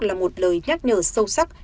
là một lời nhắc nhở sâu sắc